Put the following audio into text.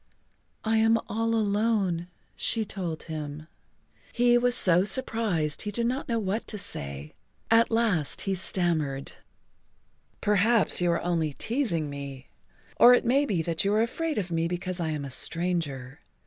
"I am all alone," she told him. He was so surprised he did not know what to say. At last he stammered: "Perhaps you are only teasing me—or it may be that you are afraid of me because I am a stranger.